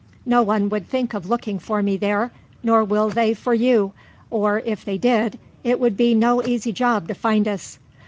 No one would think of looking for me there, nor will they for you, or, if they did, it would be no easy job to find us.